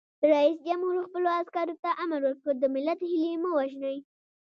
رئیس جمهور خپلو عسکرو ته امر وکړ؛ د ملت هیلې مه وژنئ!